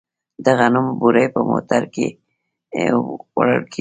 د غنمو بورۍ په موټرو کې وړل کیږي.